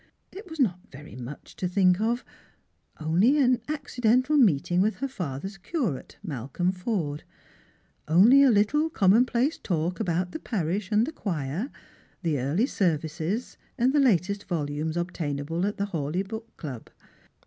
It was not very much to think of : only an accidental meeting with her father's curate, Malcolm Forde; only a little commonplace talk about theparisli and the choir, the early services, and the latest volumes obtain able at the Hawleigh book club.